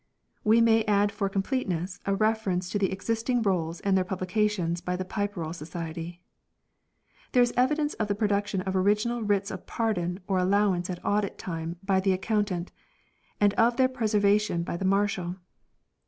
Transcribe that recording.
1 We may add for completeness a refer ence to the existing rolls and their publications by the Pipe Roll Society. There is evidence of the production of original writs Vouchers, of pardon or allowance at audit time by the Account ant ; and of their preservation by the Marshal.